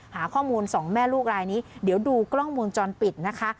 หาข้อมูลสองแม่ลูกรายนี้เดี๋ยวดูกล้องวงจรปิดนะคะ